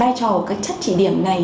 vai trò của các chất chỉ điểm này